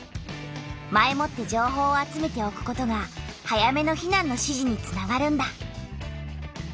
前もって情報を集めておくことが早めの避難の指示につながるんだ。